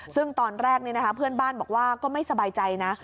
ซึ่งตอนแรกเพื่อนบ้านบอกว่าก็ไม่สบายใจนะ